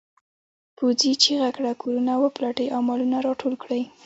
پوځي چیغه کړه کورونه وپلټئ او مالونه راټول کړئ.